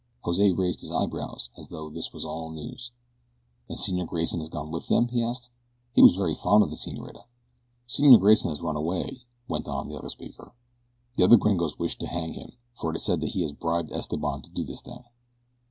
Jose raised his eyebrows as though this was all news. "And Senor Grayson has gone with them?" he asked. "He was very fond of the senorita." "Senor Grayson has run away," went on the other speaker. "The other gringos wished to hang him, for it is said he has bribed Esteban to do this thing."